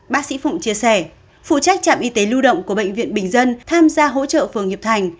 bác sĩ phụng chia sẻ phụ trách trạm y tế lưu động của bệnh viện bình dân tham gia hỗ trợ phường hiệp thành